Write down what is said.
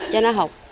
cho nó học